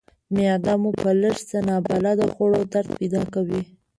معده مو په لږ څه نابلده خوړو درد پیدا کوي.